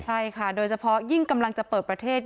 ใช่ค่ะโดยเฉพาะยิ่งกำลังจะเปิดประเทศ